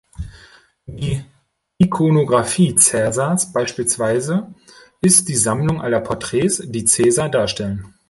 Die „Ikonografie Caesars“ beispielsweise ist die Sammlung aller Porträts, die Caesar darstellen.